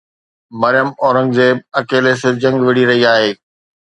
مريم اورنگزيب اڪيلي سر جنگ وڙهي رهي آهي.